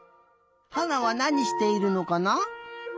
花はなにしているのかな？